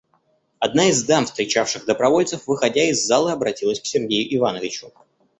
Одна из дам, встречавших добровольцев, выходя из залы, обратилась к Сергею Ивановичу.